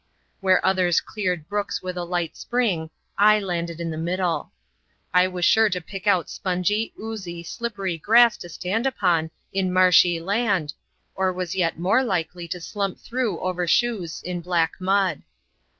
Where others cleared brooks with a light spring, I landed in the middle. I was sure to pick out spongy, oozy, slippery grass to stand upon, in marshy land, or was yet more likely to slump through over shoes in black mud.